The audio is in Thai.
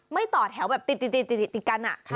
ต่อแถวแบบติดกัน